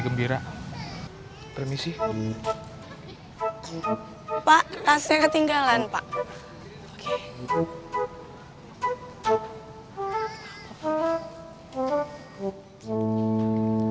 gembira permisi pak rasanya ketinggalan pak oke